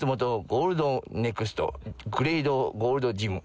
ゴールドネクストグレードゴールドジム。